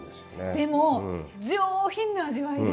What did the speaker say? でも上品な味わいで。